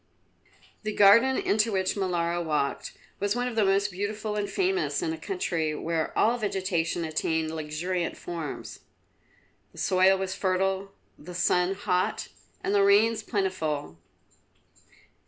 The garden into which Molara walked was one of the most beautiful and famous in a country where all vegetation attained luxuriant forms. The soil was fertile, the sun hot, and the rains plentiful.